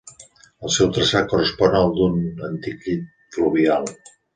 El seu traçat correspon al d'un antic llit fluvial.